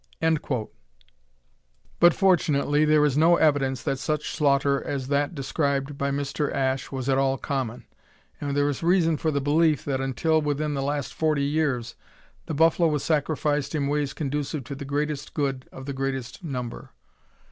But, fortunately, there is no evidence that such slaughter as that described by Mr. Ashe was at all common, and there is reason for the belief that until within the last forty years the buffalo was sacrificed in ways conducive to the greatest good of the greatest number.